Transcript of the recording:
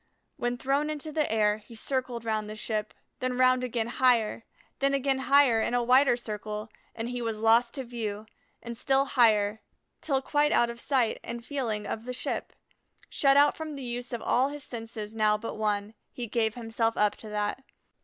When thrown into the air, he circled round the ship, then round again higher, then again higher in a wider circle, and he was lost to view; and still higher till quite out of sight and feeling of the ship. Shut out from the use of all his senses now but one, he gave himself up to that.